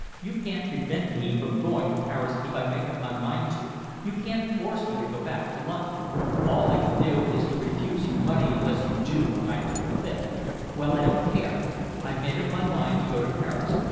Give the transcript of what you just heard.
You can't prevent me from going to Paris if I make up my mind to. You can't force me to go back to London." "All I can do is to refuse you money unless you do what I think fit." "Well, I don't care, I've made up my mind to go to Paris.